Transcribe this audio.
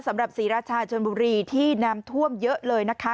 ศรีราชาชนบุรีที่น้ำท่วมเยอะเลยนะคะ